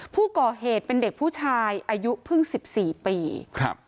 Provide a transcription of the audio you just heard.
ผู้ก่อเหตุเป็นเด็กผู้ชายอายุเพิ่งสิบสี่ปีครับ